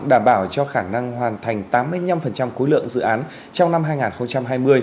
đảm bảo cho khả năng hoàn thành tám mươi năm khối lượng dự án trong năm hai nghìn hai mươi